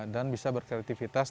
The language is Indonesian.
dan bisa berkreativitas